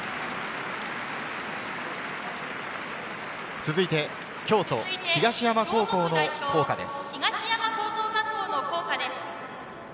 続いて京都・東山高校の校歌です。